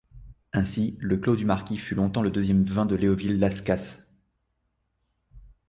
Ainsi, le Clos du Marquis fut longtemps le deuxième vin de Léoville Las Cases.